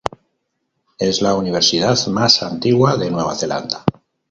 Es la universidad más antigua de Nueva Zelanda.